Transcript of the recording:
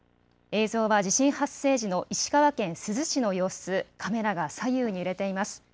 映像は地震発生時の石川県珠洲市の様子、カメラが左右に揺れています。